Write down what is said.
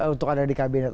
untuk ada di kabinet